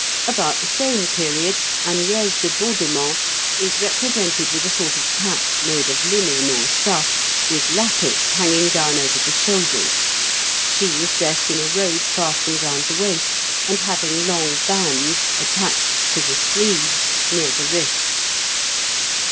About the same period, Agnès de Baudement is represented with a sort of cap made of linen or stuff, with lappets hanging down over the shoulders; she is dressed in a robe fastened round the waist, and having long bands attached to the sleeves near the wrists.